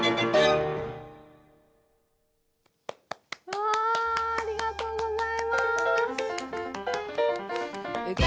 わあありがとうございます！